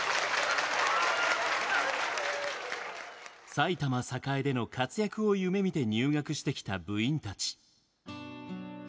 埼玉栄での活躍を夢みて入学してきた部員たち。